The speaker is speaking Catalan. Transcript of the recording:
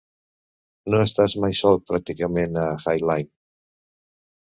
No estàs mai sol pràcticament a High Line.